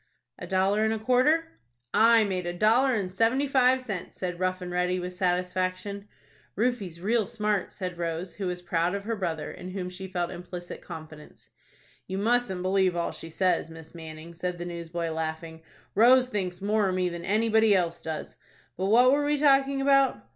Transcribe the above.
"A dollar and a quarter?" "I made a dollar and seventy five cents," said Rough and Ready, with satisfaction. "Rufie's real smart," said Rose, who was proud of her brother, in whom she felt implicit confidence. "You mustn't believe all she says, Miss Manning," said the newsboy, laughing. "Rose thinks more of me than anybody else does. But what were we talking about?